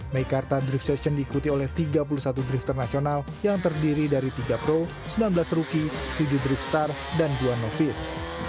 meikarta drift session diikuti oleh tiga puluh satu drifter nasional yang terdiri dari tiga pro sembilan belas rookie tujuh drift star dan dua novis